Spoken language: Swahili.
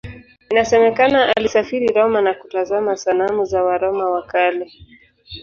Inasemekana alisafiri Roma na kutazama sanamu za Waroma wa Kale.